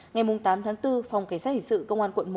ngày tám tháng bốn phòng cảnh sát hình sự công an quận một